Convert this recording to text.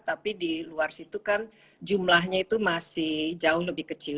tapi di luar situ kan jumlahnya itu masih jauh lebih kecil